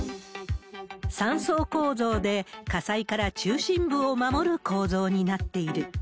３層構造で、火災から中心部を守る構造になっている。